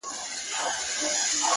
• هر څه چي راپېښ ســولـــــه،